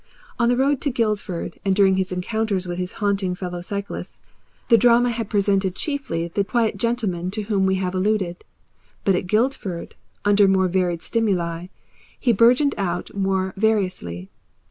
On the road to Guildford and during his encounters with his haunting fellow cyclists the drama had presented chiefly the quiet gentleman to whom we have alluded, but at Guildford, under more varied stimuli, he burgeoned out more variously.